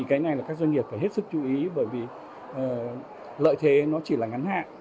cái này các doanh nghiệp phải hết sức chú ý bởi vì lợi thế chỉ là ngắn hạn